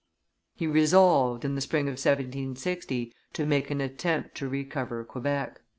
He resolved, in the spring of 1760, to make an attempt to recover Quebec.